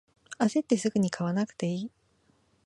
あせってすぐに買わなくていい